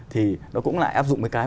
thì nó cũng lại áp dụng cái cái